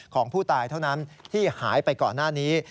ของผู้ตายเท่านั้นที่หายไปก่อนหน้านี้